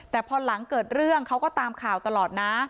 แต่พอหลังเกิดเรื่องเขาก็ตามข่าวตลอดนะ